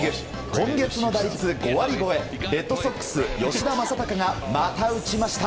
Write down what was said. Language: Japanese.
今月の打率５割超えレッドソックス、吉田正尚がまた打ちました。